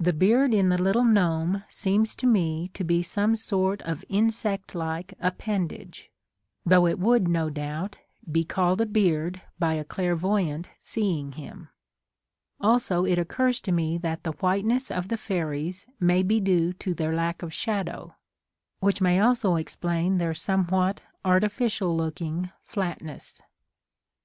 The beard in the little gnome seems to me to be some sort of insect like appen dage, though it would, no doubt, be called a beard by a clairvoyant seeing him. Also it occurs to me that the whiteness of the fairies may be due to their lack of shadow, which may also explain their somewhat artificial Jooking flatness.